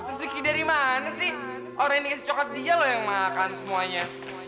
rezeki dari mana sih orang yang dikasih coklat dia loh yang makan semuanya